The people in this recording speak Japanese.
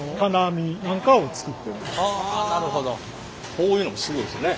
こういうのもすごいですよね。